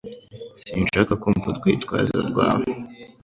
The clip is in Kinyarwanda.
Sinshaka kumva urwitwazo rwawe